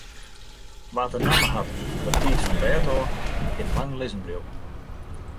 Wa't de namme hat fan betiid fan 't bêd ôf, kin lang lizzen bliuwe.